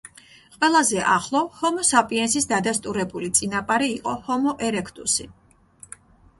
ყველაზე ახლო, ჰომო საპიენსის დადასტურებული წინაპარი იყო ჰომო ერექტუსი.